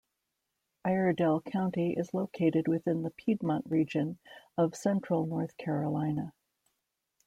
Iredell County is located within the Piedmont Region of central North Carolina.